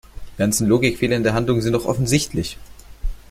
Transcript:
Diese ganzen Logikfehler in der Handlung sind doch offensichtlich!